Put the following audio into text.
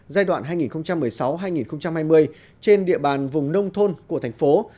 giai đoạn hai nghìn một mươi sáu hai nghìn hai mươi trên địa bàn vùng nông thôn của thành phố